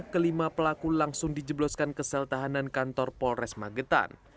kelima pelaku langsung dijebloskan kesel tahanan kantor polres magetan